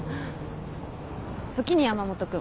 時に山本君。